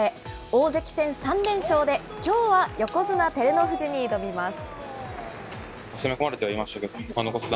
大関戦３連勝で、きょうは横綱・照ノ富士に挑みます。